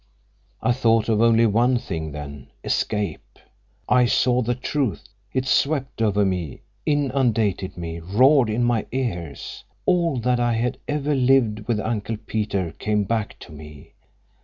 "I thought of only one thing then—escape. I saw the truth. It swept over me, inundated me, roared in my ears. All that I had ever lived with Uncle Peter came back to me.